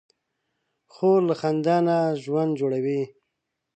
خور له خندا نه ژوند جوړوي.